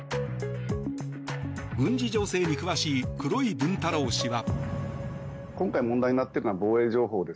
軍事情勢に詳しい黒井文太郎氏は。